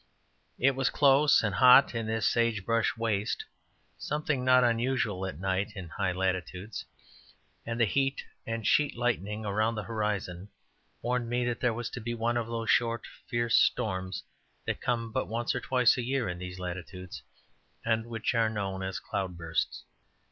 It was close and hot on this sage brush waste, something not unusual at night in high altitudes, and the heat and sheet lightning around the horizon warned me that there was to be one of those short, fierce storms that come but once or twice a year in these latitudes, and which are known as cloudbursts.